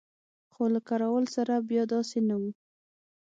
خو له کراول سره بیا داسې نه وو.